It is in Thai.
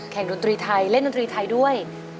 ดนตรีไทยเล่นดนตรีไทยด้วย